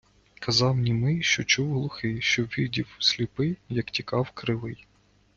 Казав німий, що чув глухий, що видів сліпий, як тікав кривий.